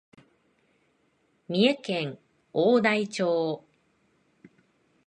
三重県大台町